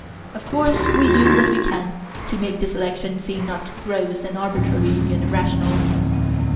Of course we do what we can to make the selection seem not gross and arbitrary and irrational.